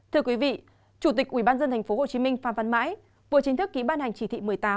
thưa quý vị chủ tịch ubnd tp hcm phan văn mãi vừa chính thức ký ban hành chỉ thị một mươi tám